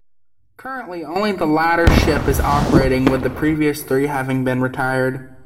Currently only the latter ship is operating, with the previous three having been retired.